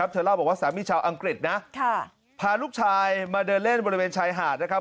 เธอเล่าบอกว่าสามีชาวอังกฤษนะพาลูกชายมาเดินเล่นบริเวณชายหาดนะครับ